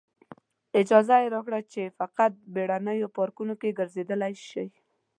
اجازه یې راکړه چې فقط بیرونیو پارکونو کې ګرځېدلی شئ.